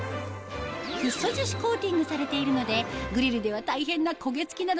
フッ素樹脂コーティングされているのでグリルでは大変な焦げ付きなどの汚れも簡単に落ちちゃいますよ！